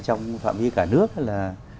trong phạm vi cả nước là